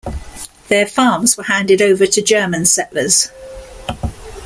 Their farms were handed over to German settlers.